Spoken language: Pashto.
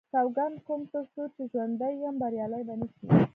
سوګند کوم تر څو چې ژوندی یم بریالی به نه شي.